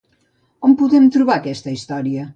On podem trobar aquesta història?